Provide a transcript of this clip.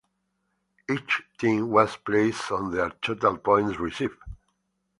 Each team was placed on their total points received.